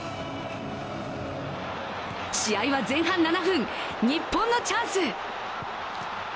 試合は前半７分、日本のチャンス。